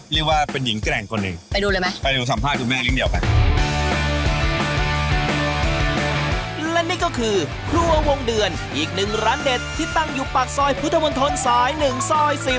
และนี่ก็คือครัววงเดือนอีกหนึ่งร้านเด็ดที่ตั้งอยู่ปากซอยพุทธวนธนศ์สาย๑ซอย๑๐